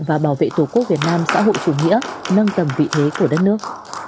và bảo vệ tổ quốc việt nam xã hội chủ nghĩa nâng tầm vị thế của đất nước